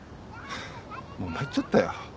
もう参っちゃったよ。